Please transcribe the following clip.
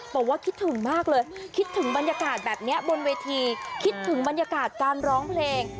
บอกว่าคิดถึงมากเลยคิดถึงบรรยากาศแบบนี้บนเวทีคิดถึงบรรยากาศการร้องเพลง